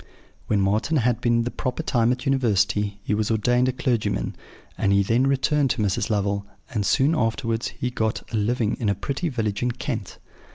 "When Marten had been the proper time at the University, he was ordained a clergyman; and he then returned to Mrs. Lovel, and soon afterwards he got a living in a pretty village in Kent.